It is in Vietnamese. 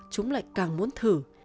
chúng lại càng muốn thử